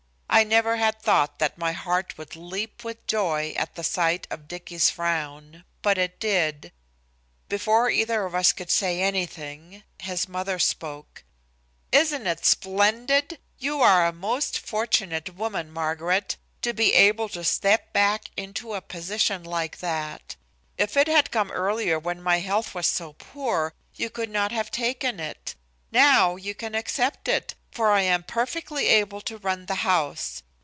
I never had thought that my heart would leap with joy at the sight of Dicky's frown, but it did. Before either of us could say anything, his mother spoke: "Isn't it splendid? You are a most fortunate woman, Margaret, to be able to step back into a position like that. If it had come earlier, when my health was so poor, you could not have taken it. Now you can accept it, for I am perfectly able to run the house.